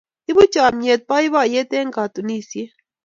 Ipu chomnyet boiboiyet eng katunisyet.